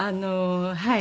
はい。